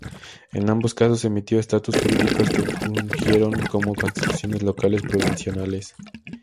En ambos casos emitió estatutos jurídicos que fungieron como constituciones locales provisionales.